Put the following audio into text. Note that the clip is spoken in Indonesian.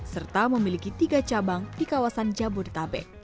serta memiliki tiga cabang di kawasan jabodetabek